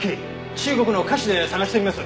中国の菓子で探してみます！